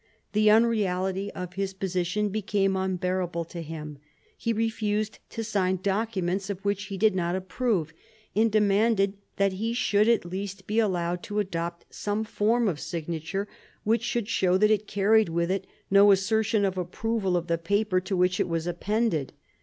The unreality of his position became unbearable to him. He refused to sign documents of which he did not approve, and demanded that he should at least be allowed to adopt some form of signature which should show that it carried with it no assertion of approval of the paper to which it was appended.